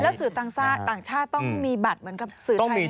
แล้วสื่อต่างชาติต้องมีบัตรเหมือนกับสื่อไทยไหมครับ